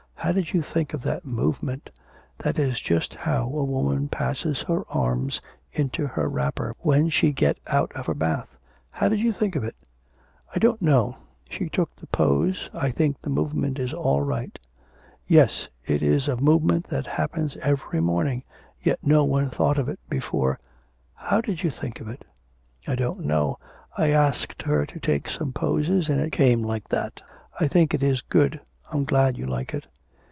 How did you think of that movement? That is just how a woman passes her arms into her wrapper when she get out of her bath. How did you think of it?' 'I don't know. She took the pose. I think the movement is all right.' 'Yes; it is a movement that happens every morning, yet no one thought of it before. How did you think of it?' 'I don't know, I asked her to take some poses and it came like that. I think it is good. I'm glad you like it.'